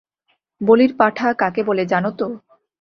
বলির পাঠা কাকে বলে জানো তো?